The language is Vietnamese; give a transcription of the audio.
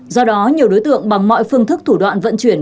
do đó nhiều đối tượng bằng mọi phương thức thủ đoạn vận chuyển